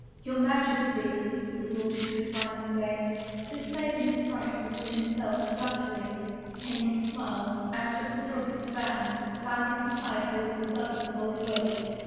" Your Majesty I " was all she could find to say. This maiden fright was in itself a flattery. Henry smiled and took the brook at a bound, landing beside her with a thud of solid weight.